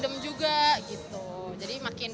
untuk menghadiri acara ini pengunjungnya